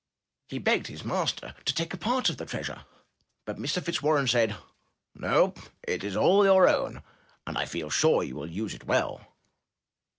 He begged his master to take a part of the treasure, but Mr. Fitzwarren said, "No, it is all your own; and I feel sure you will use it well.''